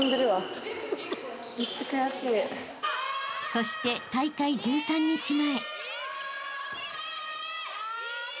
［そして大会１３日前］